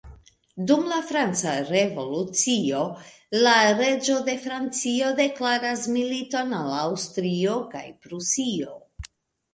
Dum la Franca Revolucio, la reĝo de Francio deklaras militon al Aŭstrio kaj Prusio.